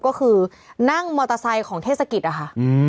ก็คือนั่งมอเตอร์ไซค์ของเทศกิจนะคะ